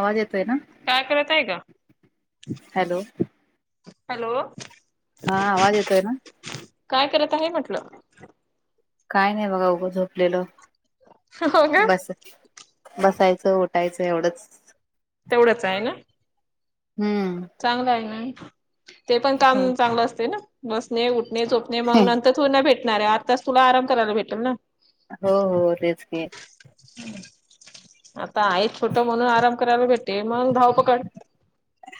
आवाज येतोय ना? काय करत आहे ग? हॅलो. हॅलो. हा. आवाज येतोय ना? काय करत आहे? म्हटलं काय नाही बगा. उगं झोपलेलो. हो का बस बसायचं उठायचं एवढंच तेवढंच आहे ना? हम्म. चांगलं आहे ना. ते पण काम हो चांगलं असते ना? बसणे, उठणे, झोपणे मग नंन र थोडी ना भेटणार ये? आत्ताच तुला आराम करायला भेटल ना हो हो. तेच की आता आई कुट म्हणून आराम करायला भेटेल मग धाव पकड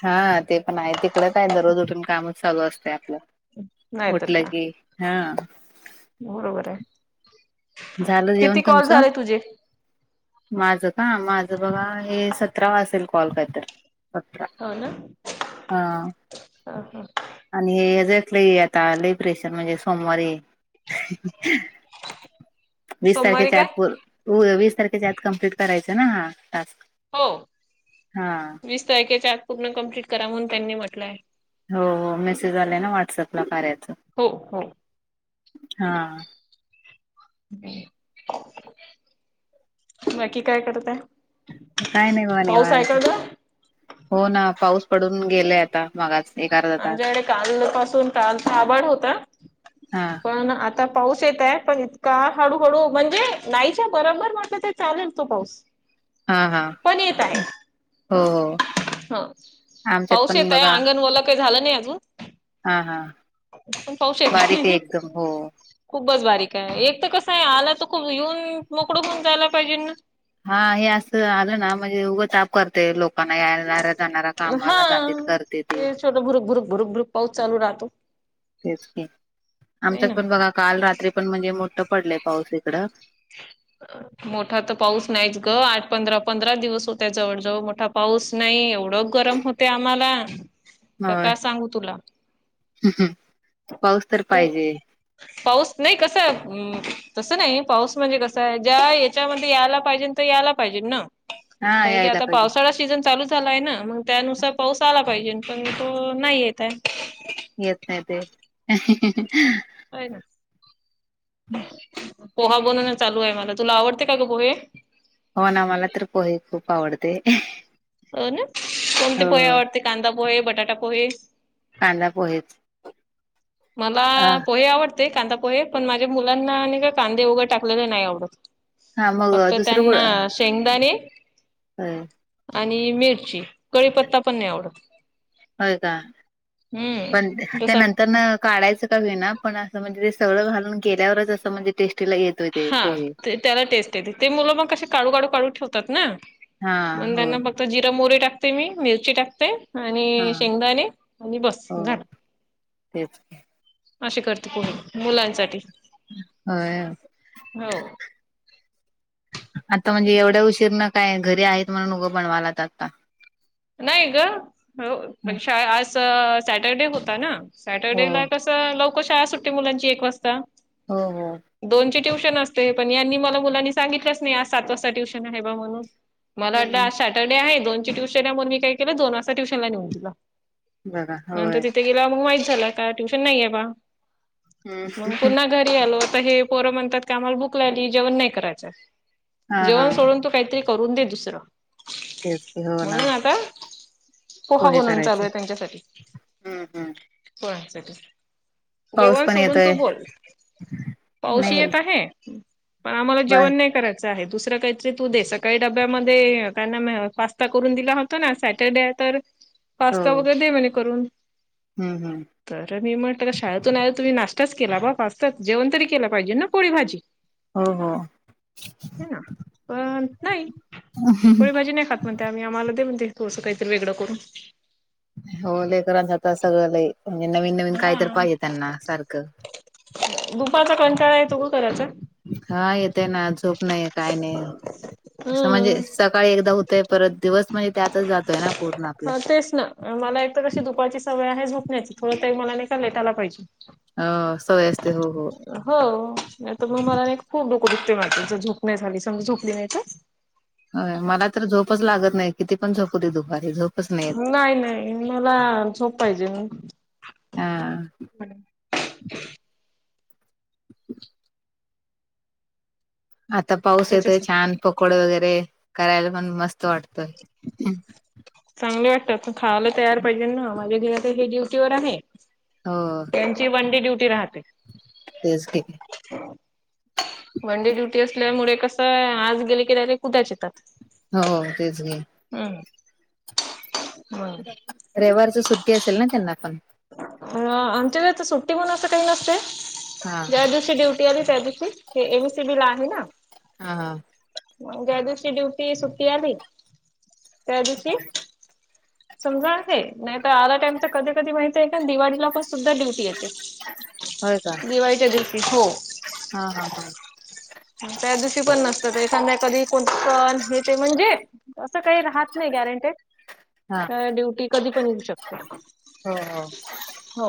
हा ते पण आहे. तिकड दरोज उठून कामच चालू असतय आपलं नाहीतर उठलं का की हां बरोबर आहे. झालं जेवण किती कॉल तुमचं झाले तुजे? माझं का? माझं बघा हे सतरावा असेल कॉल काय तर सतरा. हो ना हां ह ह आणि हे जेतलं आता लई प्रेशर म्हणजे सोमवारी वीस सोमवारी तारखेच्या काय आत पु वीस तारखेच्या आत कंप्लीट करायचं ना हा टास्क. हो. हा वीस तारखेच्या आत पूर्ण कंप्लीट करा म्हणून त्यांनी म्हटलंय. हो, हो. मेसेज आलाय ना व्हॉट्सअपला कार्याचा. हो, हो [inaudible] [unintelligible] बाकी काय करताय? काय नाही बघा निवांत. हो ना पाऊस पडून गेलंय आता मगाच एक अर्धा तास आमच्याकडे काल पासून कालचा आभाळ होत हा पण आ आता पाऊस येतय पण इतका हडुहडु म्हणजे नाहीच्या बरोबर म्हटलं तर चालेल तो पाऊस [inaudible] हा, हा. [inaudible] हो हो हा आमच्यात पाऊस पण येतय बघा अंगण ओल काय झालं नाही अजून, हा हा पण पाऊस बारीक आहे येतोय. एकदम हो खूपच बारीकाय. एक तर कसं आहे आला तर खूप येऊन मोकडं होऊन जायला पाहिजेल ना. हा हे असं आलं ना म्हणजे उगं ताप करते लोक कांना येणार जाणार कामाला जात्यात करत्याती [unintelligible] भरूक भरूक भरूक भरूकऊ पाऊस चालू राहतो. तेच की नाही आमच्यात ना. पण बघा काल रात्री पण म्हणजे मोठं पडलंय पाऊस इकडं [inaudible] मोठा तर पाऊस नाहीच ग, आठ पंधरा - पंधरा दिवस होत्या जवळजवळ मोठा पाऊस नाही एवढं गरम होत. ते आम्हाला का- होय का सांगू तुला, पाऊस तर हो. पाहिजे पाऊस नाही कसं तसं नाही पाऊस म्हणजे कस - - ज्या याच्यामध्ये यायला पाहिजे तर यायला पाहिजे ना हा कारण की यायला आता पाहिजे पावसाळा सीझन चालूच झालाय ना मग त्यानुसार पाऊस आला पाहिजे, पण तो नाही येत हाय. येत नाही ते. होय ना. [inaudible] पोहा बनवणं चालू आहे मला. तुला आवडते का ग पोहे? हो ना मला तर पोहे खूप आवडते. हो ना. कोणते हो पोहे आवडते? कांदा पोहे, बटाटा पोहे. कांदा पोहेच. मला अ, पोहे आवडते कांदा पोहे पण, माझ्या मुलांना आणि का कांदे वगैरे टाकलेलं नाही आवडत. हां मग फक्त दुसरं गुळ त्यांना शेंगदाणे- होय, - आणि मिरची कडीपत्ता पण नाही आवडत. होय का. पण हम्म ते जस नंतरन - - काढायचं का होईना, पण असं म्हणजे ते सगळं घालून केल्यावरच असं म्हणजे टेस्ट - - तिला येतोय ते. हा पोहे. ते त्याला टेस्ट येते ते मुलं मग कशी काढू काढू काढू ठेवतात ना हां, मग हो, त्यांना बघ - - फक्त जिरा मोहरी टाकते मी, मिरची टाकते. आणि हां, शेंगदाणे आणि बस हो झाल. तेच. अशी करते पोहे मुलांसाठी. होय. हो. आता म्हणजे एवढ्या उशीर न काय घरी आहेत म्हणून उगं बनवायलात आता. नाही ग हो हं, पण शाळाआज सॅटरडे होता ना हो, सॅटरडेला क स लवकर शाळा सुट्टते मुलांची एक वासता. हो, हो. दोन ची ट्यूशन असते, पण यांनी मला मुलांनी सांगितलंच नाही. आज सात वाजता ट्यूशन आहे बा म्हणून. मला हं, वाटलं हं. आज सॅटर्डे आहे. दोनची ट्यूशन आहे म्हणून मी काय केलं दोन वाजता ट्युशनला नेऊन दिला. बघा होय. नंतर तिथे गेल्यावर मग माहीत झालं का ट्युशन नाही आहे बा हं, मग पुन्हा घरी आलो. तर हे पोरं म्हणतात की आम्हाला भूक लागली जेवण नाही करायचं हां, जेवण हां सोडून तू काहीतरी करून दे दुसरं. तेच हो ना म्हणून आता पोहा पोहे बनवन चालू करायचं. आहे त्यांच्यासाठी हं, हं. पोरांसाठी. पाऊस जेवण पण सोडून येतोय तू बोल, पाऊस नाही येत आहे. अह आम्हाला बर जेवण नाही करायचं आहे दुसरं काहीतरी तू दे सकाळी डब्यामध्ये त्यांना मी पास स्ता करून दिला हो ना आह सॅटरडे आहे तर हो पास्ता वगैरे दे म्हणे करून हम्म हम्म. तर मी म्हटलं का शाळेतून आले तुम्ही नाश्ताच केला बा पास्ता जेवण तरी केल पाहिजे ना पोळी भाजी हो हो है ना पण नाही पोळी भाजी नाही खात म्हणते आम्ही आम्हाला दे म्हणते तो असं काहीतरी वेगळं करून हो लेकरांच आता सगळं लय म्हणजे नवीन नवीन काय तर हा. पाहिजे त्यांना सारखं दुपारचा कंटाळा येतो ग करायचा हा येत ना झोप नाही काय नाही असं म्हणजे हम्म. सकाळी एकदा होतय परत दिवस म्हणजे त्यातच जातोय ना पूर्ण आपलं हा तेच ना आणि मला एक तर कशी दुपारची सवय आहे झोपण्याची थोड तरी मला नाही का लेटायला पाहिजे आ सवय असते हो हो. हो नाही तर मग मला नाही का खूप डोकं दुखते माझ जर झोप नाही झाली समज झोपली नाही तर होय मला तर झोपच लागत नाही किती पण झोपूदे दुपारी झोप नाही नाही मला झोप पाहिजे मग हा आता पाऊस येतोय त्याच्यासाठी छान पकोड वगैरे करायला पण मस्त वाटत चांगलं वाटतं पण खावायला तयार पाहिजे ना माझ्या घर तर हे ड्युटीवर आहे हो. यांची वनडे ड्यूटी राहते तेच की वनडे ड्युटी असल्यामुळे कसय आज गेले की डायरेक्ट उद्याच येतात हो तेच की. हम्म. होय. रविवारच सुट्टी असेल ना त्यांना पण? अह आमच्याकडे तर सुट्टी पण असं काही नसते हा ज्या दिवशी ड्युटी टी आहे त्यादिवशी ते एम एस सी बी ला आहे ना हा हा. ज्या दिवशी ड्यूटी सुट्टी आली त्या दिवशी समजा आहे नाही तर आधा टाइम तर कधी कधी माहिती आहे का दिवाळीला पण सुद्धा ड्युटी येते. होय का. दिवाळीच्या दिवशी हो हा हा हा. त्या दिवशी पण नसतं ते संध्याकाळी [unintelligible] पण हे ते म्हणजे असं काही राहत नाही गॅरंटेड, हा तर ड्युटी कधी पण येऊ शकते हो. हो.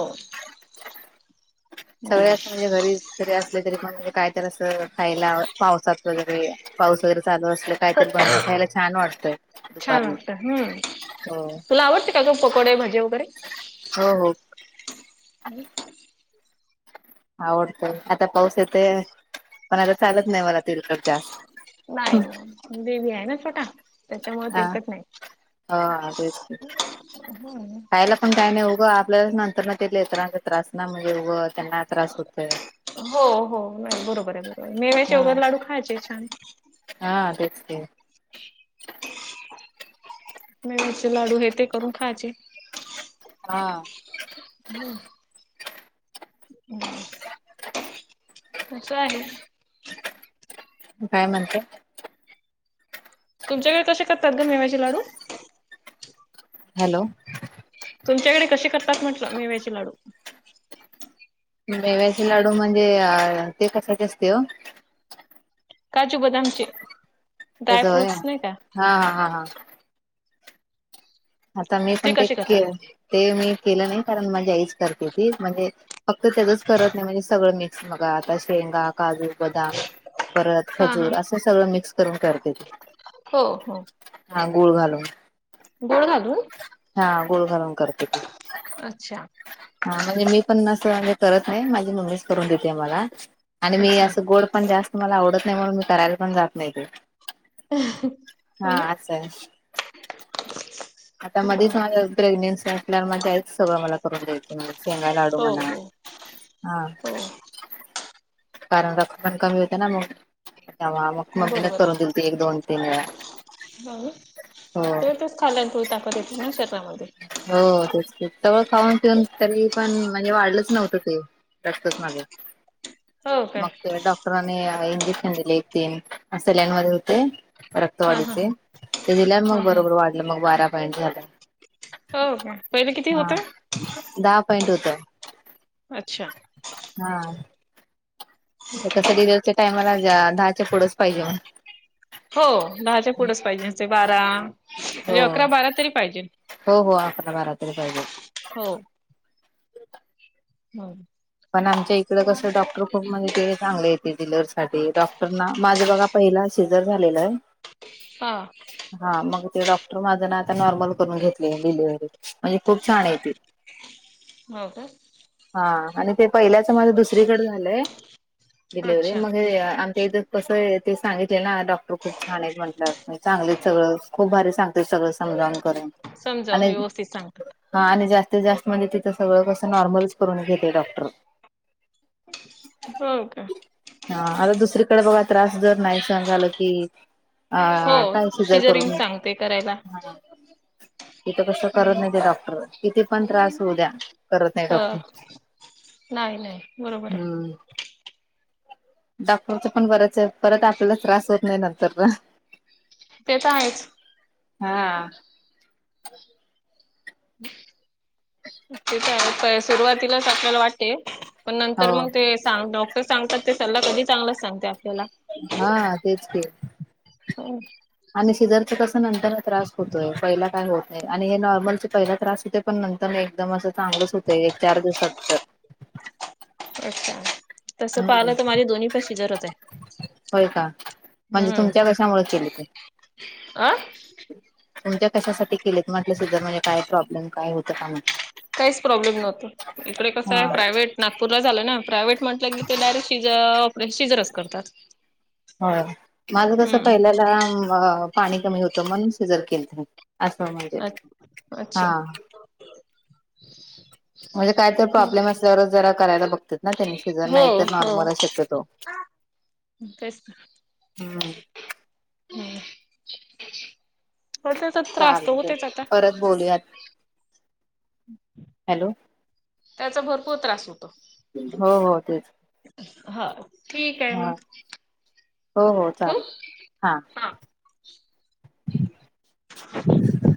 हो. सगळ्याच म्हणजे घरी घरी असले तरी पण म्हणजे कायतर असं खायला पावसात वगैरे पाऊस वगैरे चालू असले काहीतरी बनवून खायला छान वाटतय छान दुपारी वाटतं हम्म. तुला आवडते का ग पकोडे भाजी वगैरे? हो हो. [inaudible] आवडत, आता पाऊस येते पण आता चालत नाही मला तेलकट जास्त नाही बेबी आहे ना छोटा त्याच्यामुळे तरकट नाही. ह तेच पायला पण काही नाही उगं आपल्याला नंतर. ते लेकरांचा त्रास ना म्हणजे उंगच त्यांना त्रास होतय. हो हो बरोबर आहे मेह हा शेवगर लाडू खायचे छान. हा तेचते. मचे लाडू हे ते करून खायचे. हा. हो. हम. तसं आहे. काय म्हणते. तुमच्याकडे कसे करतात ग मेवाचे लाडू. हॅलो. तुमच्याकडे कसे करतात म्हटलं मेव्याचे लाडू. मेव्याचे लाडू म्हणजे अ ते कशचे असते हो. काजू बदामचे. तसं होय ड्रायफ्रूट्स नाही का हा हा हा. आता मी पण ते कसे के करतात? ते मी केलं नाही कारण माझी आईच करते ती म्हणजे फक्त त्याचच करत नाही म्हणजे सगळं मिक्स मग. ता संगा [unintelligible] काजू बदाम परत हा हा खजूर असं सगळं मिक्स करून करते. हो हो. हा गुळ घालून. गूळ घालून. हा गुळ घालून करते ती. अच्छा. हा म्हणजे मी पण असं म्हणजे करत नाही माझी मम्मीच करून देते मला. आणि मी अच्छा असं गोड पण जास्त मला आवडत नाही म्हणून मी करायला पण जात नाही ते. हा हो. असं आहे आता ना. मध्येच माझ प्रेग्नेन्सी असल्यावर मगच सगळं मला करून द्यायचं म्हणजे शेंगा लाडू हो म्हणा. हो हा हो. कारण रक्त कमी होत ना मग तेव्हा मग ममी नच बरोबर करून आहे दिलती. एक दोन तीन वेळा. हो हो ते तेच तेच खाल्यामुळे ताकद येते ना शरीरामध्ये. हो तेच सगळ खाऊन पिऊन तरी पण म्हणजे वाढलंच नव्हतं ते. रक्तच माझं. हो काय मग ते डॉक्टरने इंजेक्शन दिले एक तीन सलाईन मध्ये होते. हा हा रक्तवाढीचे हा ते दिल्यामुळ हा मग हा बरोबर वाढलं मग बारा पॉईट झालं. हो का पहिले किती हा होतंय. दहा पॉइंट होत. अच्छा. हा. कसं डिलेवारीच्या टाइमाला दहाच्या पुढेच पाहिजे म्हणे. हो दहाच्या पुढेच पाहिजे असते बारा म्हणजे अकरा बारा तरी पाहिजे. हो हो हो अकरा बारा तरी पाहिजे. हो. हो. पण आमच्या इकड कसं डॉक्टर खूप म्हणजे ते चांगले आहेत डीलीव्हीरीसाठी डॉक्टर ना माझं बघा. पहिला सिजर झालेल आहे. हा. हा मग ते डॉक्टर माझं ना आता नॉर्मल करून घेतले डिलिव्हरी म्हणजे खूप छान आहे ती. हो का? हा आणि ते पहिल्याच माझं दुसरीकडे झालंय डिलिव्हरी अच्छा मग आमच्या इथं. कसं आहे ते सांगितले ना डॉक्टर खूप छान म्हटल चांगलेच सगळं खूप भारी सांगता त ते सगळं समजावून करून. समजावून आणि व्यवस्थित सांगतात.. हा आणि जास्तीत जास्त म्हणजे तिथं सगळ कसं नॉर्मलच. करून घेते डॉक्टर. हो का हा आता दुसरीकडे बघा त्रास जर नाही सहन झाल की हा काही हो सीजर करून सिजरिंग घेत सांगते करायला. हा तिथं कस करत हम्म नाही ते डॉक्टर किती पण त्रास होऊ द्या करत नाही डॉक्टर. ह नाही नाही बरोबर आहे. हम्म डॉक्टरच पण बरच आहे परत आपल्याला त्रास होत नाही नंतरन. ते तर आहेच. हा. [inaudible] तेच आहे सुरुवातीलाच आपल्याला वाटते. पण हो नंतर मग ते सां डॉक्टर सांगतात ते सल्ला कधी चांगलाच सांगते आपल्याला हा तेच ते. हो आणि सिजरच कस नंतर त्रास होतोय पहिला काय होत नाही आणि हे नॉर्मलच पहिला त्रास होतोय. पण नंतर म एकदम असं चांगलंच होतं एक चार दिवसात तर. अच्छा! तसं हम्म पाहिलं तर माझे दोन्ही पण माझे सिझरच आहे. होय का म्हणजे तुमच्या हम्म कशामुळे केले ते. अ तुमच्या कशासाठी केलेत म्हटलं सुद्धा म्हणजे काय प्रॉब्लेम काय होत का म्हटलं. काहीच प्रॉब्लेम नव्हतो इकडे कसं आहे प्रायव्ट नागपूरला झालं ना प्रायव्हेट म्हटलं की ते डायरेक्ट सिज ऑपरे सिजरच करतात. हो माझ तसं हम्म पहिल्याला पाणी कमी होतं म्हणून सिजर केलंत. [unintelligible] अच्छा हा. [inaudible] म्हणजे काय तर प्रॉब्लेम असल्यावरच जरा करायला बघत्यात ना त्यांनी सिजर हो नाही तर हो नॉर्मलच शक्यतो. तेच. हम्म. हम् हो त. चालत परत बोलूयात हॅलो. त्याचा भरपूर त्रास होतो. हो हो तेच. हा. ठीक आहे हा मग हो हो ठेवू चालेल हा. अ [unintelligible]